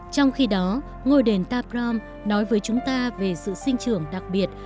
trong khi đó ngôi đền ta prohm nói với chúng ta về sự sinh trưởng đặc biệt